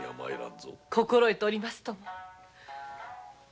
心得ておりますとも。